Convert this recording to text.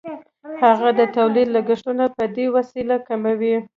هغه د تولید لګښتونه په دې وسیله کموي